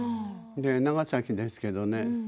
長崎ですけどね。